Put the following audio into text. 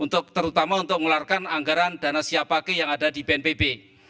terutama untuk mengeluarkan anggaran dana siap pakai yang ada di bnpb